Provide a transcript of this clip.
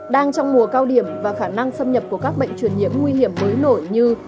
đang trong mùa cao điểm và khả năng xâm nhập của các bệnh truyền nhiễm nguy hiểm mới nổi như